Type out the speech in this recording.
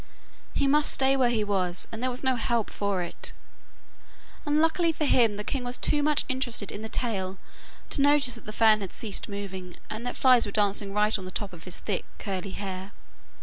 He must stay where he was, there was no help for it, and luckily for him the king was too much interested in the tale to notice that the fan had ceased moving, and that flies were dancing right on the top of his thick curly hair.